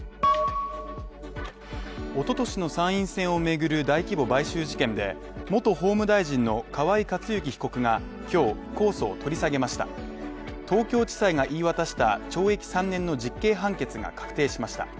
一昨年の参院選をめぐる大規模買収事件で元法務大臣の河井克行被告が今日控訴を取り下げました東京地裁が言い渡した懲役３年の実刑判決が確定しました。